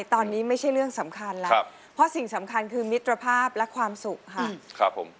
ตอนนี้ไม่ใช่เรื่องสำคัญแล้วเพราะสิ่งสำคัญคือมิตรภาพและความสุขค่ะครับผม